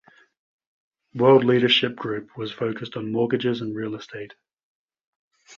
World Leadership Group was focused on mortgages and real estate.